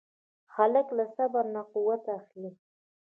هلک له صبر نه قوت اخلي.